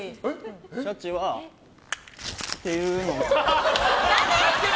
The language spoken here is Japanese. シャチはっていうのを。